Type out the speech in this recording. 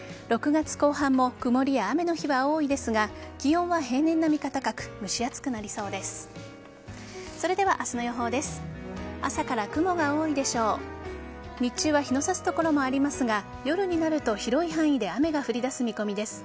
６月後半も曇りや雨の日は多いですが気温は平年並みか高く蒸し暑くなりそうです。